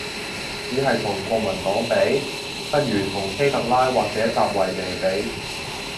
只係同國民黨比？，不如同希特拉或者習維尼比